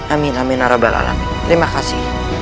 amin amin arab al alamin terima kasih